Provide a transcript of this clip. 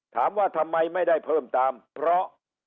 ถามว่าทำไมไม่ได้เพิ่มตามเพราะ